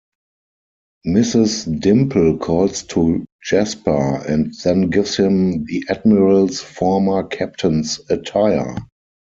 Mrs. Dimple calls to Jasper and then gives him the Admiral's former Captain's attire.